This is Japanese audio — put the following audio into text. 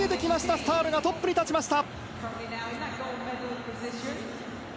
スタールが首位に立ちました。